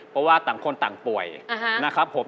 เพราะว่าต่างคนต่างป่วยนะครับผม